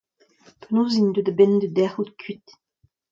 Penaos int deuet a-benn da dec'hout kuit ?